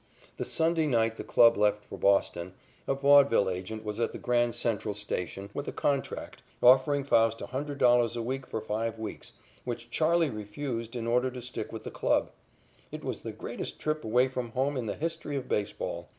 The Sunday night the club left for Boston, a vaudeville agent was at the Grand Central Station with a contract offering Faust $100 a week for five weeks, which "Charley" refused in order to stick with the club. It was the greatest trip away from home in the history of baseball.